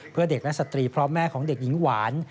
เพื่อเด็กและสตรีพร้อมแม่ของเด็กหญิงหวาน